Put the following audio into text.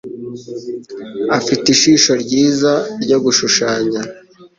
Afite ijisho ryiza ryo gushushanya.